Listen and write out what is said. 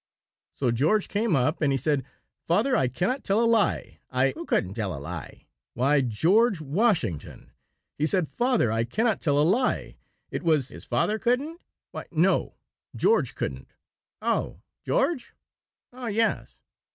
"So George came up and he said, 'Father, I cannot tell a lie. I '" "Who couldn't tell a lie?" "Why, George Washington. He said, 'Father, I cannot tell a lie. It was '" "His father couldn't?" "Why, no; George couldn't." "Oh, George? Oh, yes."